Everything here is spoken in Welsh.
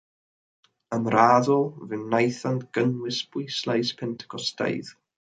Yn raddol fe wnaethant gynnwys pwyslais pentecostaidd.